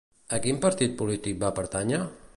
A quin partit polític va pertànyer?